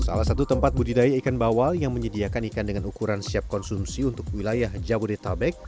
salah satu tempat budidaya ikan bawal yang menyediakan ikan dengan ukuran siap konsumsi untuk wilayah jabodetabek